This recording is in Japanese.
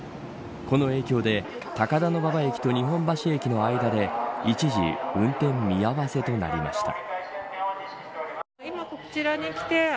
この影響で高田馬場駅と日本橋駅の間で一時運転見合わせとなりました。